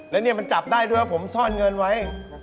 แล้วเนี่ยมันจับได้ด้วยว่าผมซ่อนเงินไว้